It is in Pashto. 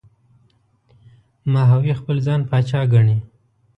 ماهوی خپل ځان پاچا ګڼي.